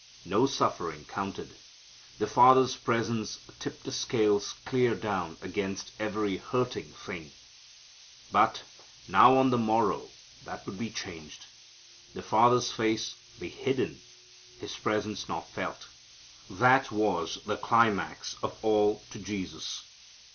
No suffering counted. The Father's presence tipped the scales clear down against every hurting thing. But now on the morrow that would be changed. The Father's face be hidden His presence not felt. That was the climax of all to Jesus.